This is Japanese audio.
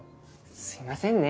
すいませんね